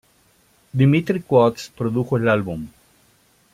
Dimitri Coats produjo el álbum.